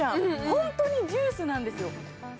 ホントにジュースなんですよ。